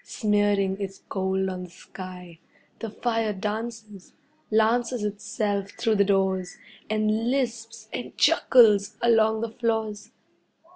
Smearing its gold on the sky, the fire dances, lances itself through the doors, and lisps and chuckles along the floors.